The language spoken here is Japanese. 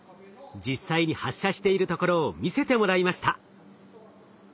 実際に発射しているところを見せてもらいました。